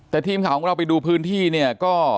แต่ทีมข่าวของเราไปดูพื้นที่เนี่ยก็